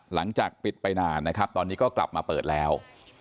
หลังจากปิดไปนานนะครับตอนนี้ก็กลับมาเปิดแล้ว